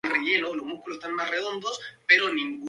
Inicia la Línea de Castilla en Canarias.